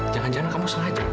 jangan jangan kamu sengaja